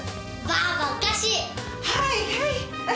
はいはい。